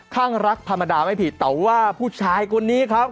ข้างรักธรรมดาไม่ผิดแต่ว่าผู้ชายคนนี้ครับ